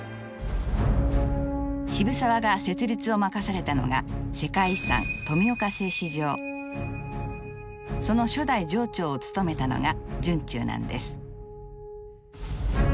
渋沢が設立を任されたのがその初代場長を務めたのが惇忠なんです。